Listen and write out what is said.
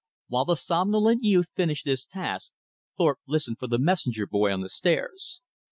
While the somnolent youth finished this task, Thorpe listened for the messenger boy on the stairs.